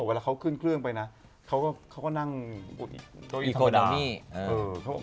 เวลาเขาขึ้นเครื่องไปนะเขาก็นั่งโดยธรรมดา